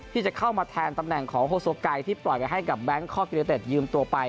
ที่จะเข้ามาแทนตำแหน่งของโฮโซไกที่ปล่อยไปให้กับแบงคอกยูเนเต็ดยืมตัวไป